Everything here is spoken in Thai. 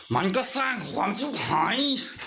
มันก็สร้างความสุขหาย